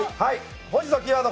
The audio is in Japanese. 本日のキーワード